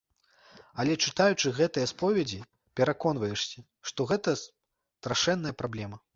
Але, чытаючы гэтыя споведзі, пераконваешся, што гэта страшэнная праблема.